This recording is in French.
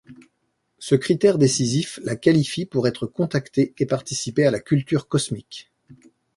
Ce critère décisif la qualifie pour être contactée et participer à la culture cosmique.